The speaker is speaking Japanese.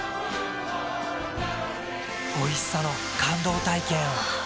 おいしさの感動体験を。